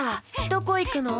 どこいくの？